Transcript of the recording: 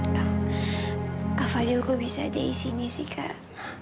kak fadil kok bisa ada di sini sih kak